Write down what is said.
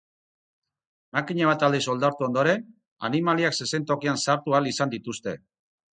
Makina bat aldiz oldartu ondoren, animaliak zezentokian sartu ahal izan dituzte.